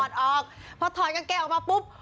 มันต้องถอดออกพอถอดกางเกงออกมาปุ๊บ